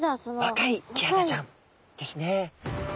若いキハダちゃんですね。